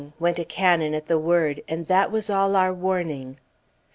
_ went a cannon at the word, and that was all our warning.